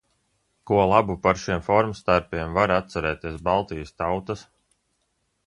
Ko labu par šiem formas tērpiem var atcerēties Baltijas tautas?